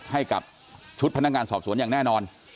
ให้กับชุดพนักงานสอบสวนอย่างแน่นอน